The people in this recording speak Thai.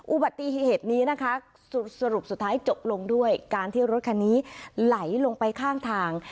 อุบัติเหตุนี้นะคะสรุปสุดท้ายจบลงด้วยการที่รถคันนี้ไหลลงไปข้างทาง